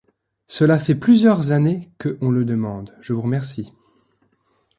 Cela fait plusieurs années que on le demande, je vous remercie.